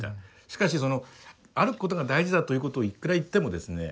しかしその歩くことが大事だということをいくら言ってもですね